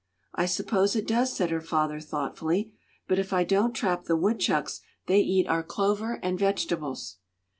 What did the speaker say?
"I suppose it does," said her father, thoughtfully. "But if I don't trap the woodchucks they eat our clover and vegetables."